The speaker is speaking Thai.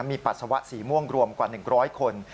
มีปัสสาวะสีม่วงรวมกว่า๑๐๐คน